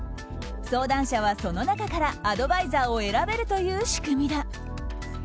相談者はその中からアドバイザーを選べるという仕組みだ。